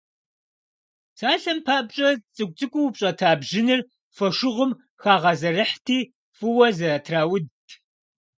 Псалъэм папщӏэ, цӏыкӏу-цӏыкӏуу упщӏэта бжьыныр фошыгъум хагъэзэрыхьти, фӏыуэ зэтраудт.